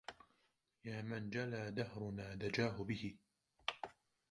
يا من جلا دهرنا دجاه به